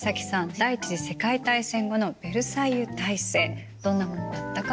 第一次世界大戦後のヴェルサイユ体制どんなものだったか覚えてる？